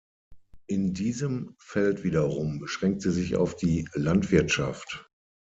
In diesem Feld wiederum beschränkt sie sich auf die Landwirtschaft.